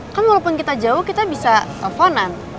kan walaupun kita jauh kita bisa teleponan